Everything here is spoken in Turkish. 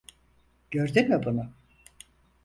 Gördün mü bunu?